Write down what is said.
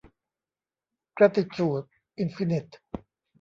แกรททิทูด อินฟินิท